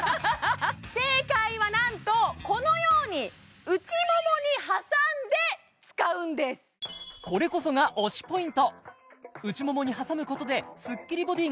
正解はなんとこのように内ももに挟んで使うんですこれこそが推しＰｏｉｎｔ！が目指せます